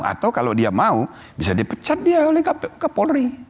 atau kalau dia mau bisa dipecat dia oleh kapolri